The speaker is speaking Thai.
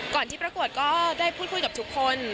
ที่ประกวดก็ได้พูดคุยกับทุกคน